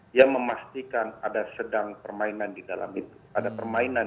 dia memastikan ada sedang permainan